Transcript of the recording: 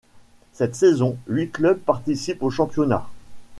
Cette saison, huit clubs participent au championnat.